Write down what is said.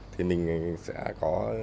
thì mình sẽ có